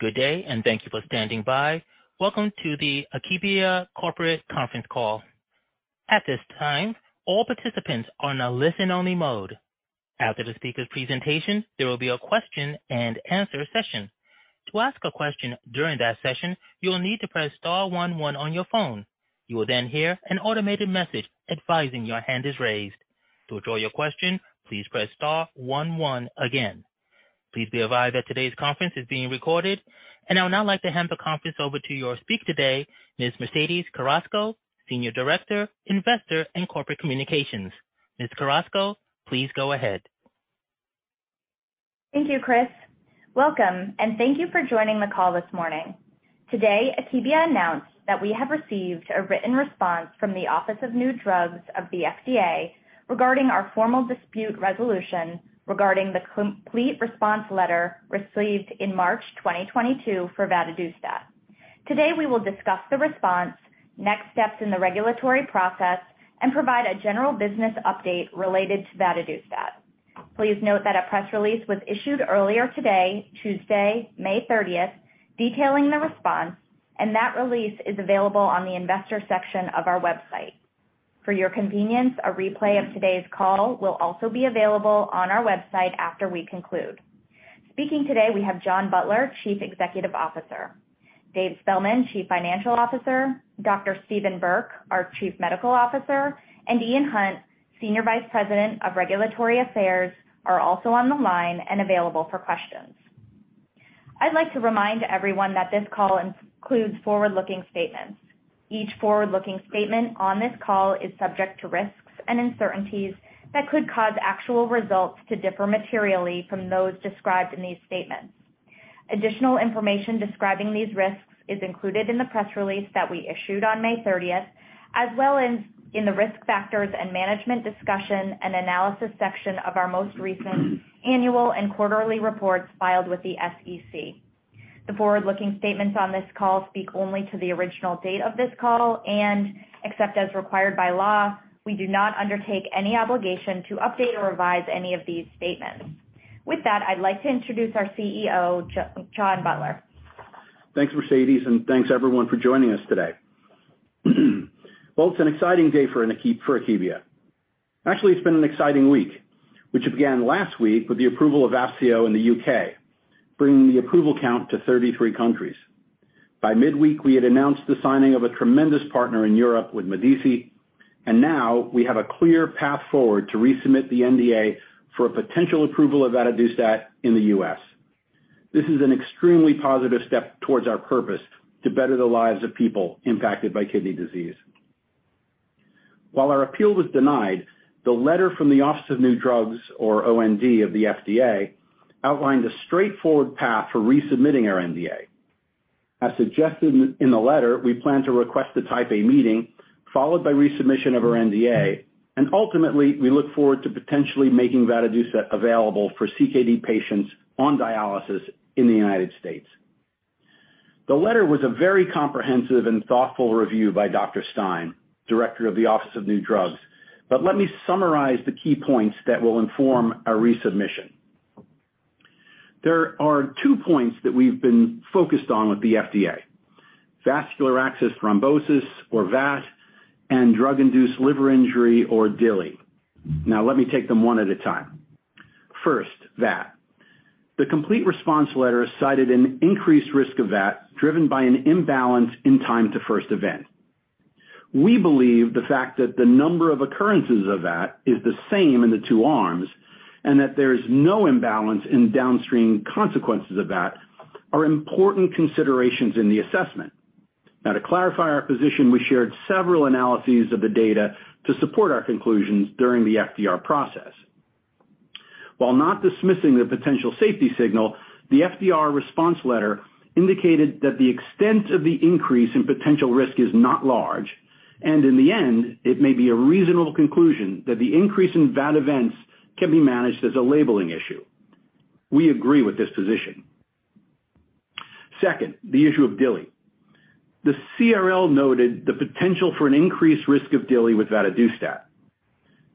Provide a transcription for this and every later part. Good day, thank you for standing by. Welcome to the Akebia Corporate Conference Call. At this time, all participants are in a listen-only mode. After the speaker's presentation, there will be a question-and-answer session. To ask a question during that session, you will need to press star one one on your phone. You will hear an automated message advising your hand is raised. To withdraw your question, please press star one one again. Please be advised that today's conference is being recorded. I would now like to hand the conference over to your speaker today, Ms. Mercedes Carrasco, Senior Director, Investor and Corporate Communications. Ms. Carrasco, please go ahead. Thank you, Chris. Welcome, thank you for joining the call this morning. Today, Akebia announced that we have received a written response from the Office of New Drugs of the FDA regarding our formal dispute resolution regarding the complete response letter received in March 2022 for vadadustat. Today, we will discuss the response, next steps in the regulatory process, and provide a general business update related to vadadustat. Please note that a press release was issued earlier today, Tuesday, May 30th, detailing the response, and that release is available on the investor section of our website. For your convenience, a replay of today's call will also be available on our website after we conclude. Speaking today, we have John Butler, Chief Executive Officer. Dave Spellman, Chief Financial Officer, Dr. Steven Burke, our Chief Medical Officer, and Ian Hunt, Senior Vice President of Regulatory Affairs, are also on the line and available for questions. I'd like to remind everyone that this call includes forward-looking statements. Each forward-looking statement on this call is subject to risks and uncertainties that could cause actual results to differ materially from those described in these statements. Additional information describing these risks is included in the press release that we issued on May 30th, as well as in the Risk Factors and Management Discussion and Analysis section of our most recent annual and quarterly reports filed with the SEC. The forward-looking statements on this call speak only to the original date of this call, and except as required by law, we do not undertake any obligation to update or revise any of these statements. With that, I'd like to introduce our CEO, John Butler. Thanks, Mercedes, and thanks everyone for joining us today. It's an exciting day for Akebia. Actually, it's been an exciting week, which began last week with the approval of Vafseo in the U.K., bringing the approval count to 33 countries. By midweek, we had announced the signing of a tremendous partner in Europe with MEDICE, and now we have a clear path forward to resubmit the NDA for a potential approval of vadadustat in the U.S. This is an extremely positive step towards our purpose to better the lives of people impacted by kidney disease. While our appeal was denied, the letter from the Office of New Drugs, or OND, of the FDA outlined a straightforward path for resubmitting our NDA. As suggested in the letter, we plan to request a Type A meeting, followed by resubmission of our NDA, and ultimately, we look forward to potentially making vadadustat available for CKD patients on dialysis in the United States. The letter was a very comprehensive and thoughtful review by Dr. Stein, Director of the Office of New Drugs. Let me summarize the key points that will inform our resubmission. There are two points that we've been focused on with the FDA: vascular access thrombosis, or VAT, and drug-induced liver injury, or DILI. Let me take them one at a time. First, VAT. The complete response letter cited an increased risk of VAT driven by an imbalance in time to first event. We believe the fact that the number of occurrences of VAT is the same in the two arms and that there is no imbalance in downstream consequences of VAT are important considerations in the assessment. To clarify our position, we shared several analyses of the data to support our conclusions during the FDR process. While not dismissing the potential safety signal, the FDR response letter indicated that the extent of the increase in potential risk is not large, and in the end, it may be a reasonable conclusion that the increase in VAT events can be managed as a labeling issue. We agree with this position. Second, the issue of DILI. The CRL noted the potential for an increased risk of DILI with vadadustat.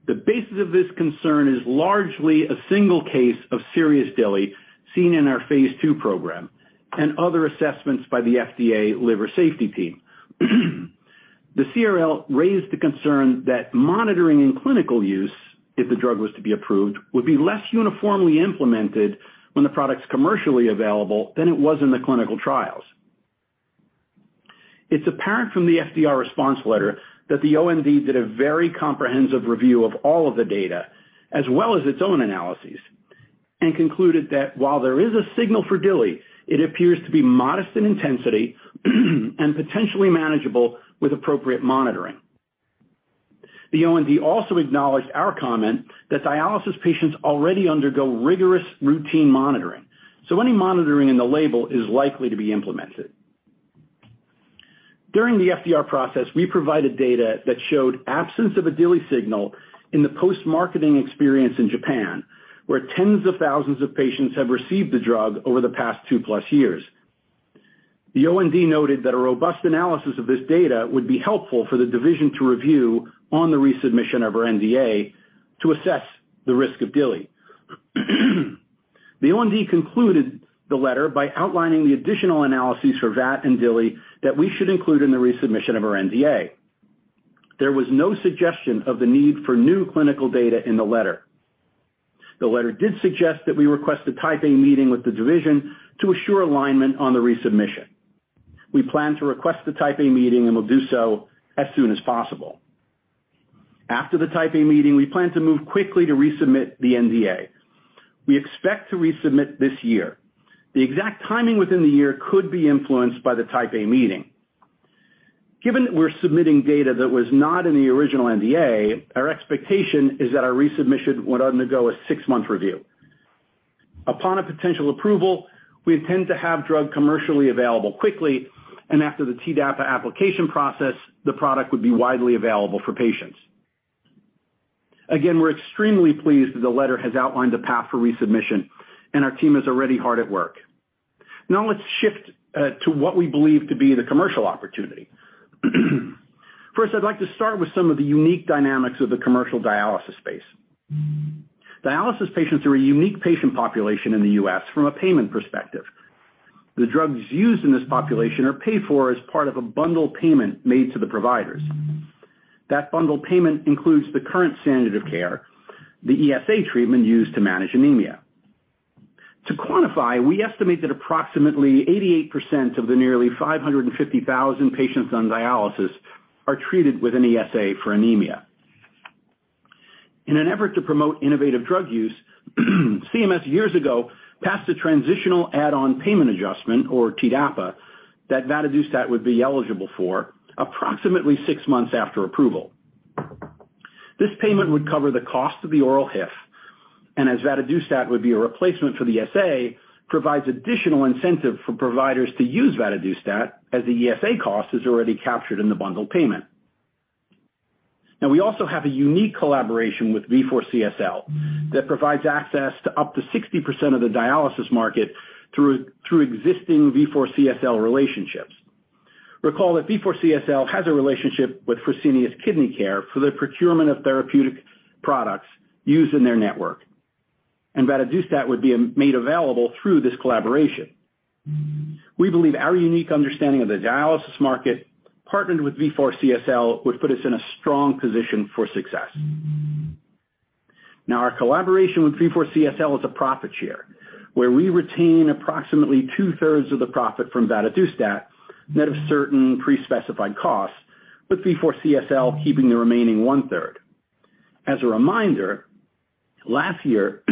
The basis of this concern is largely a single case of serious DILI seen in our phase two program and other assessments by the FDA liver safety team. The CRL raised the concern that monitoring and clinical use, if the drug was to be approved, would be less uniformly implemented when the product's commercially available than it was in the clinical trials. It's apparent from the FDR response letter that the OND did a very comprehensive review of all of the data, as well as its own analyses, and concluded that while there is a signal for DILI, it appears to be modest in intensity and potentially manageable with appropriate monitoring. The OND also acknowledged our comment that dialysis patients already undergo rigorous routine monitoring, so any monitoring in the label is likely to be implemented. During the FDR process, we provided data that showed absence of a DILI signal in the post-marketing experience in Japan, where tens of thousands of patients have received the drug over the past 2+ years. The OND noted that a robust analysis of this data would be helpful for the division to review on the resubmission of our NDA to assess the risk of DILI. The OND concluded the letter by outlining the additional analyses for VAT and DILI that we should include in the resubmission of our NDA. There was no suggestion of the need for new clinical data in the letter. The letter did suggest that we request a Type A meeting with the division to assure alignment on the resubmission. We plan to request the Type A meeting, and we'll do so as soon as possible. After the Type A meeting, we plan to move quickly to resubmit the NDA. We expect to resubmit this year. The exact timing within the year could be influenced by the Type A meeting. Given that we're submitting data that was not in the original NDA, our expectation is that our resubmission would undergo a six-month review. Upon a potential approval, we intend to have drug commercially available quickly, and after the TDAPA application process, the product would be widely available for patients. Again, we're extremely pleased that the letter has outlined the path for resubmission, and our team is already hard at work. Now let's shift to what we believe to be the commercial opportunity. First, I'd like to start with some of the unique dynamics of the commercial dialysis space. Dialysis patients are a unique patient population in the U.S. from a payment perspective. The drugs used in this population are paid for as part of a bundled payment made to the providers. That bundled payment includes the current standard of care, the ESA treatment used to manage anemia. To quantify, we estimate that approximately 88% of the nearly 550,000 patients on dialysis are treated with an ESA for anemia. In an effort to promote innovative drug use, CMS years ago passed a transitional add-on payment adjustment, or TDAPA, that vadadustat would be eligible for approximately six months after approval. This payment would cover the cost of the oral HIF, and as vadadustat would be a replacement for the ESA, provides additional incentive for providers to use vadadustat, as the ESA cost is already captured in the bundled payment. We also have a unique collaboration with CSL Vifor that provides access to up to 60% of the dialysis market through existing CSL Vifor relationships. Recall that CSL Vifor has a relationship with Fresenius Kidney Care for the procurement of therapeutic products used in their network, and vadadustat would be made available through this collaboration. We believe our unique understanding of the dialysis market, partnered with CSL Vifor, would put us in a strong position for success. Our collaboration with CSL Vifor is a profit share, where we retain approximately two-thirds of the profit from vadadustat, net of certain pre-specified costs, with CSL Vifor keeping the remaining one-third. As a reminder, last year,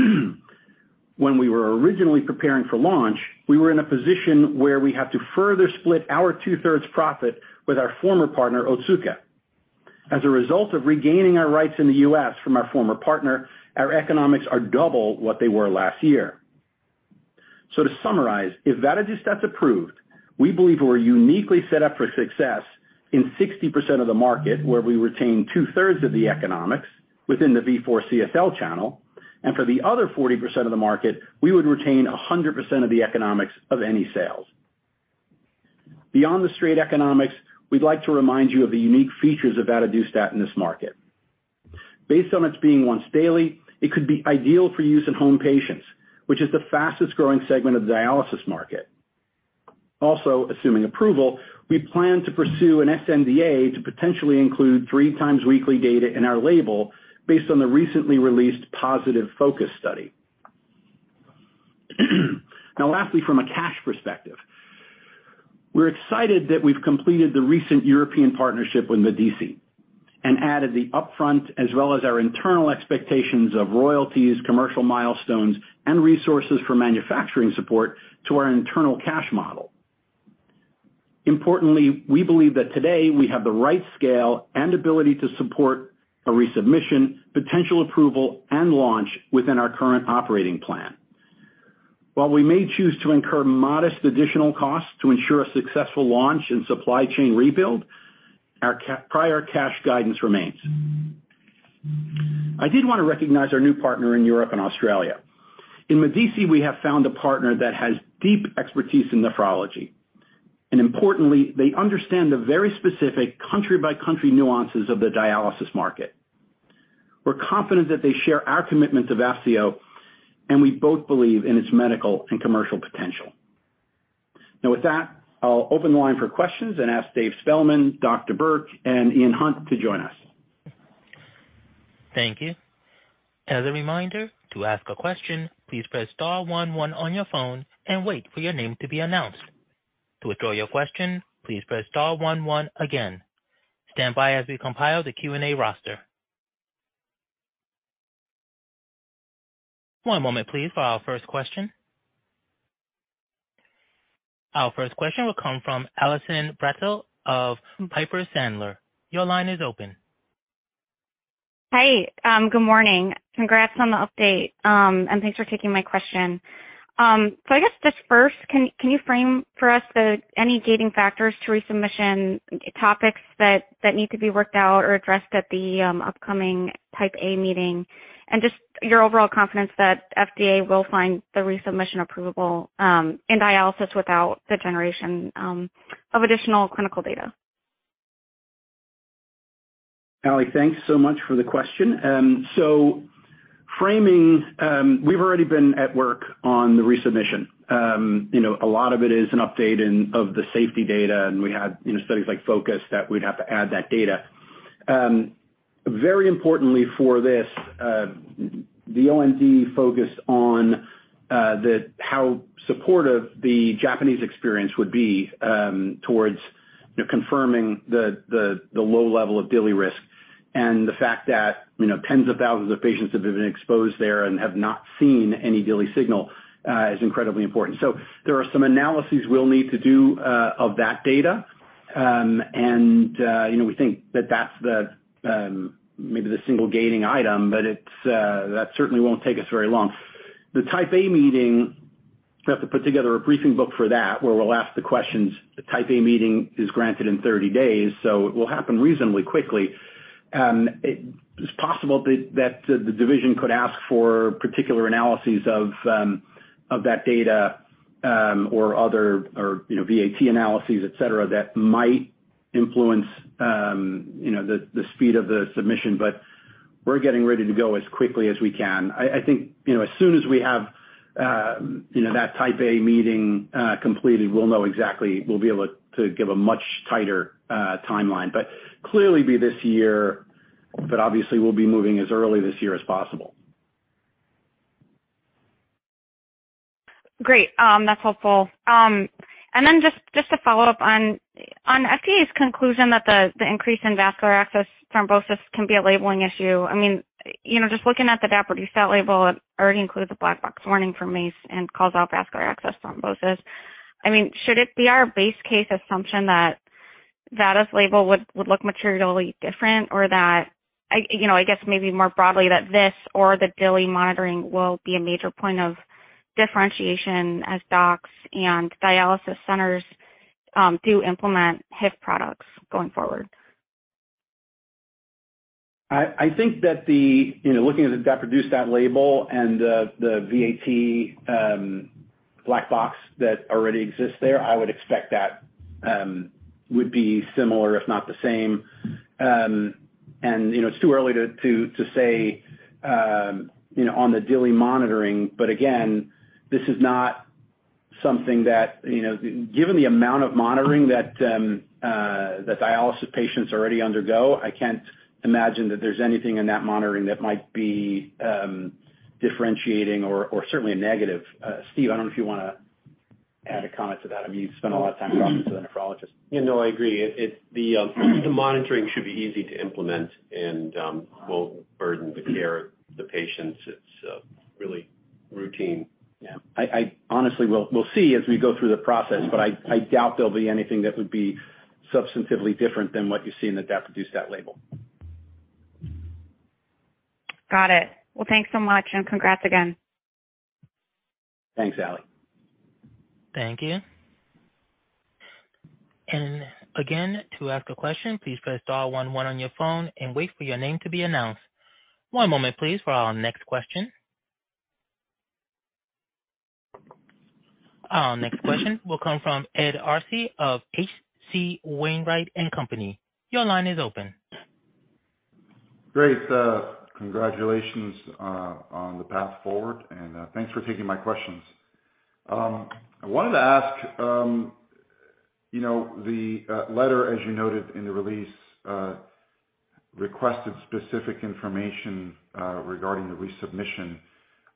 when we were originally preparing for launch, we were in a position where we have to further split our two-thirds profit with our former partner, Otsuka. As a result of regaining our rights in the U.S. from our former partner, our economics are double what they were last year. To summarize, if vadadustat's approved, we believe we're uniquely set up for success in 60% of the market, where we retain two-thirds of the economics within the CSL Vifor channel, and for the other 40% of the market, we would retain 100% of the economics of any sales. Beyond the straight economics, we'd like to remind you of the unique features of vadadustat in this market. Based on its being once daily, it could be ideal for use in home patients, which is the fastest-growing segment of the dialysis market. Also, assuming approval, we plan to pursue an sNDA to potentially include 3 times weekly data in our label based on the recently released positive FO2CUS study. Lastly, from a cash perspective, we're excited that we've completed the recent European partnership with MEDICE and added the upfront, as well as our internal expectations of royalties, commercial milestones, and resources for manufacturing support to our internal cash model. Importantly, we believe that today we have the right scale and ability to support a resubmission, potential approval, and launch within our current operating plan. While we may choose to incur modest additional costs to ensure a successful launch and supply chain rebuild, our prior cash guidance remains. I did want to recognize our new partner in Europe and Australia. In MEDICE, we have found a partner that has deep expertise in nephrology, and importantly, they understand the very specific country-by-country nuances of the dialysis market. We're confident that they share our commitment to Vafseo, and we both believe in its medical and commercial potential. With that, I'll open the line for questions and ask Dave Spellman, Dr. Steven Burke, and Ian Hunt to join us. Thank you. As a reminder, to ask a question, please press star one on your phone and wait for your name to be announced. To withdraw your question, please press star one again. Stand by as we compile the Q&A roster. One moment, please, for our first question. Our first question will come from Allison Bratzel of Piper Sandler. Your line is open. Hi, good morning. Congrats on the update. Thanks for taking my question. I guess just first, can you frame for us the any gating factors to resubmission, topics that need to be worked out or addressed at the upcoming Type A meeting? Just your overall confidence that FDA will find the resubmission approvable in dialysis without the generation of additional clinical data? Ally, thanks so much for the question. Framing, we've already been at work on the resubmission. You know, a lot of it is an update of the safety data, and we had, you know, studies like FO2CUS, that we'd have to add that data. Very importantly for this, the OND focused on how supportive the Japanese experience would be, towards, you know, confirming the low level of DILI risk. The fact that, you know, tens of thousands of patients have been exposed there and have not seen any DILI signal, is incredibly important. There are some analyses we'll need to do of that data. You know, we think that that's the maybe the single gating item, but it's that certainly won't take us very long. The Type A meeting, we'll have to put together a briefing book for that, where we'll ask the questions. The Type A meeting is granted in 30 days. It will happen reasonably quickly. It's possible that the division could ask for particular analyses of that data, or other, you know, VAT analyses, et cetera, that might influence, you know, the speed of the submission. We're getting ready to go as quickly as we can. I think, you know, as soon as we have, you know, that Type A meeting completed, we'll know exactly, we'll be able to give a much tighter timeline. Clearly be this year, but obviously, we'll be moving as early this year as possible. Great. That's helpful. Then just to follow up on FDA's conclusion that the increase in vascular access thrombosis can be a labeling issue. I mean, you know, just looking at the daprodustat label, it already includes a black box warning for MACE and calls out vascular access thrombosis. I mean, should it be our base case assumption that VAD's label would look materially different? That, you know, I guess maybe more broadly, that this or the DILI monitoring will be a major point of differentiation as docs and dialysis centers do implement HIF products going forward? I think that the, you know, looking at the daprodustat label and the VAT black box that already exists there, I would expect that would be similar, if not the same. You know, it's too early to say, you know, on the DILI monitoring, but again, this is not something that, you know. Given the amount of monitoring that dialysis patients already undergo, I can't imagine that there's anything in that monitoring that might be differentiating or certainly a negative. Steve, I don't know if you wanna add a comment to that. I mean, you've spent a lot of time talking to the nephrologist. Yeah, no, I agree. The monitoring should be easy to implement and won't burden the care of the patients. It's really routine. Yeah. I honestly we'll see as we go through the process, but I doubt there'll be anything that would be substantively different than what you see in the daprodustat label. Got it. Well, thanks so much, and congrats again. Thanks, Ally. Thank you. Again, to ask a question, please press star one one on your phone and wait for your name to be announced. One moment, please, for our next question. Our next question will come from Ed Arce of H.C. Wainwright & Co. Your line is open. Great. Congratulations on the path forward, and thanks for taking my questions. I wanted to ask, you know, the letter, as you noted in the release, requested specific information regarding the resubmission.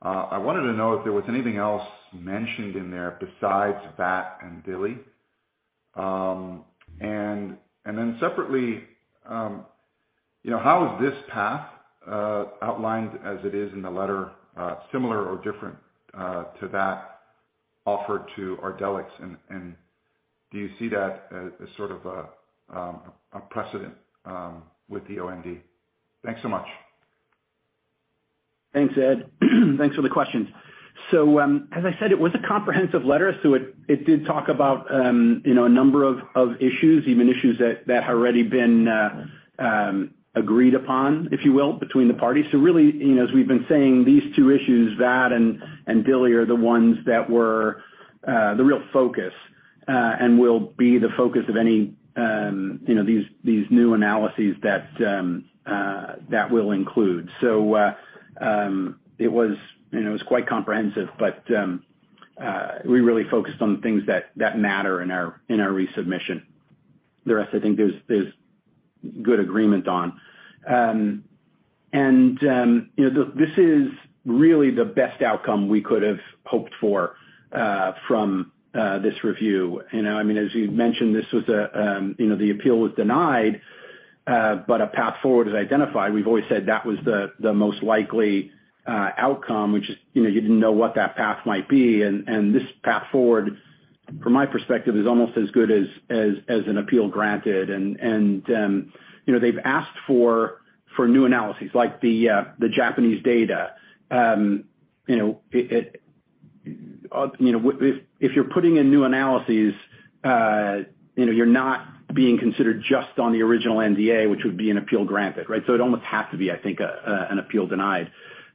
I wanted to know if there was anything else mentioned in there besides vadadustat and DILI. Then separately, you know, how is this path outlined as it is in the letter, similar or different to that offered to Ardelyx? Do you see that as sort of a precedent with the OND? Thanks so much. Thanks, Ed. Thanks for the questions. As I said, it was a comprehensive letter, it did talk about, you know, a number of issues, even issues that had already been agreed upon, if you will, between the parties. Really, you know, as we've been saying, these two issues, VAT and DILI, are the ones that were the real focus and will be the focus of any, you know, these new analyses that we'll include. It was, you know, it was quite comprehensive, but we really focused on the things that matter in our resubmission. The rest, I think, there's good agreement on. You know, this is really the best outcome we could have hoped for, from this review. You know, I mean, as you've mentioned, this was a, you know, the appeal was denied, but a path forward is identified. We've always said that was the most likely outcome, which is, you know, you didn't know what that path might be. This path forward, from my perspective, is almost as good as an appeal granted. You know, they've asked for new analyses, like the Japanese data. You know, it, you know, if you're putting in new analyses, you know, you're not being considered just on the original NDA, which would be an appeal granted, right? It almost has to be, I think, an appeal denied.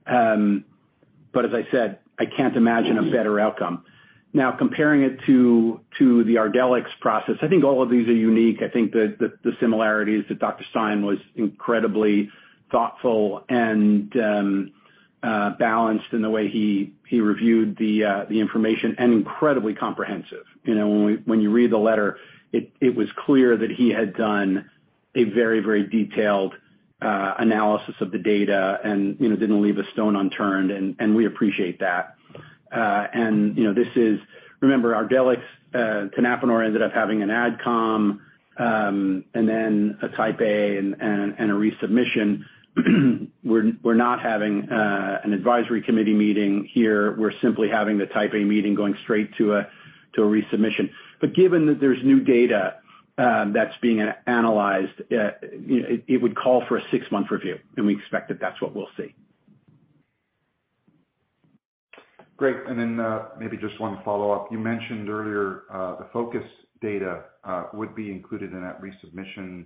As I said, I can't imagine a better outcome. Comparing it to the Ardelyx process, I think all of these are unique. I think the similarities that Dr. Stein was incredibly thoughtful and balanced in the way he reviewed the information and incredibly comprehensive. You know, when you read the letter, it was clear that he had done a very detailed analysis of the data and, you know, didn't leave a stone unturned, and we appreciate that. You know, Remember, Ardelyx canakinumab ended up having an AdCom and then a Type A and a resubmission. We're not having an advisory committee meeting here. We're simply having the Type A meeting, going straight to a resubmission. Given that there's new data that's being analyzed, you know, it would call for a six-month review, and we expect that that's what we'll see. Great. Maybe just one follow-up. You mentioned earlier, the FO2CUS data would be included in that resubmission.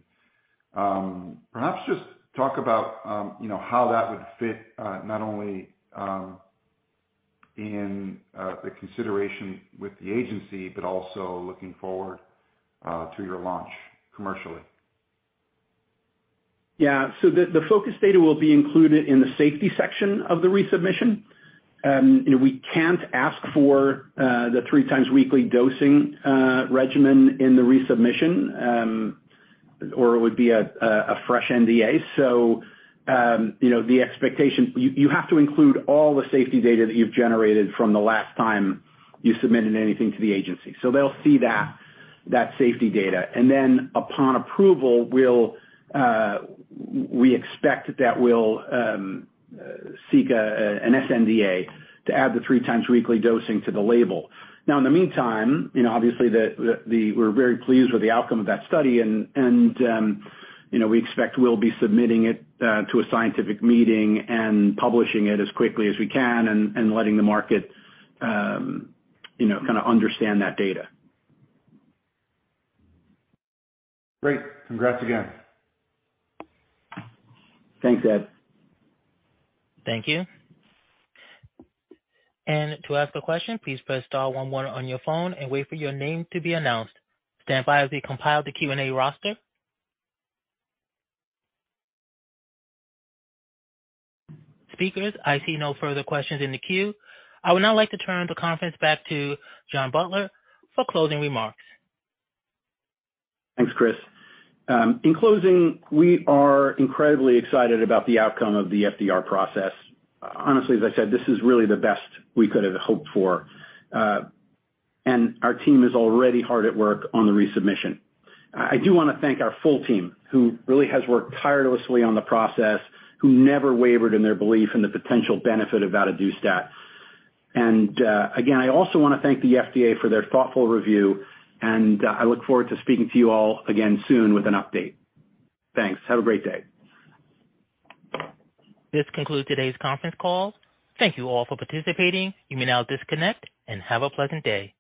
Perhaps just talk about, you know, how that would fit, not only in the consideration with the agency, but also looking forward to your launch commercially. Yeah. The FO2CUS data will be included in the safety section of the resubmission. you know, we can't ask for the three times weekly dosing regimen in the resubmission, or it would be a fresh NDA. you know, the expectation... You have to include all the safety data that you've generated from the last time you submitted anything to the agency. They'll see that safety data, and then upon approval, we expect that we'll seek an sNDA to add the three times weekly dosing to the label. In the meantime, you know, obviously, we're very pleased with the outcome of that study and, you know, we expect we'll be submitting it to a scientific meeting and publishing it as quickly as we can and letting the market, you know, kind of understand that data. Great. Congrats again. Thanks, Ed. Thank you. To ask a question, please press star one on your phone and wait for your name to be announced. Stand by as we compile the Q&A roster. Speakers, I see no further questions in the queue. I would now like to turn the conference back to John Butler for closing remarks. Thanks, Chris. In closing, we are incredibly excited about the outcome of the FDR process. Honestly, as I said, this is really the best we could have hoped for, and our team is already hard at work on the resubmission. I do wanna thank our full team, who really has worked tirelessly on the process, who never wavered in their belief in the potential benefit of vadadustat. Again, I also wanna thank the FDA for their thoughtful review, and I look forward to speaking to you all again soon with an update. Thanks. Have a great day. This concludes today's conference call. Thank you all for participating. You may now disconnect and have a pleasant day.